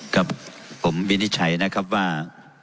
กับผมวินิจฉัยนะครับว่า